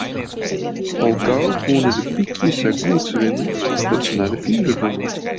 Al gau koenen de pykjes sa goed swimme dat se nei de fiver gongen.